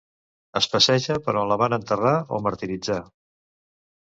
Es passeja per on la van enterrar o martiritzar.